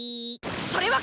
それは鍬！